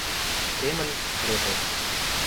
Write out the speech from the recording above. Кремль – крепость.